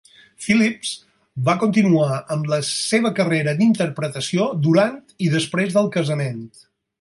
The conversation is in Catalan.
Phillips va continuar amb la seva carrera d'interpretació durant i després del casament.